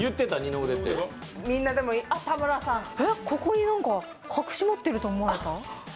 ここになんか隠し持ってると思われた？